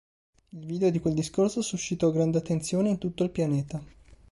Il video di quel discorso suscitò grande attenzione in tutto il pianeta.